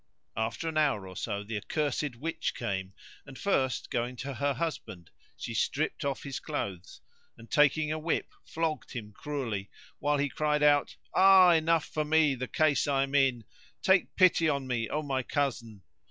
After an hour or so the accursed witch came; and, first going to her husband, she stripped off his clothes and, taking a whip, flogged him cruelly while he cried out, "Ah! enough for me the case I am in! take pity on me, O my cousin!'